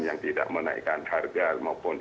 yang tidak menaikkan harga maupun